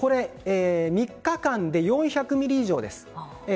３日間で４００ｍｍ以上です。